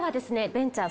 ベンチャー